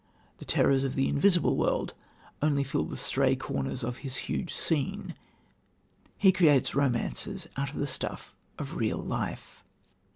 The terrors of the invisible world only fill the stray corners of his huge scene. He creates romance out of the stuff of real life.